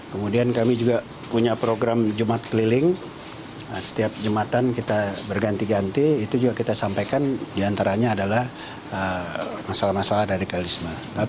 kemudian kami juga punya program jumat keliling setiap jembatan kita berganti ganti itu juga kita sampaikan diantaranya adalah masalah masalah radikalisme